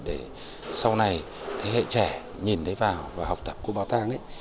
để sau này thế hệ trẻ nhìn thấy vào và học tập của bảo tàng